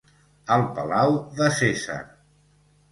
Al Palau de Cèsar".